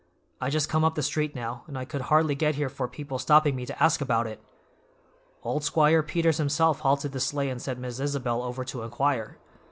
"I just come up the street now, and I could hardly get here for people stopping me to ask about it. Old Squire Peters himself halted the sleigh and sent Miss Isabel over to inquire.